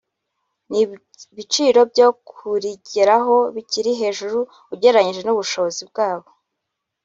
n’ibiciro byo kurigeraho bikiri hejuru ugereranyije n’ubushobozi bwabo